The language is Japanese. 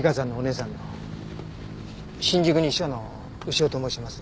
新宿西署の牛尾と申します。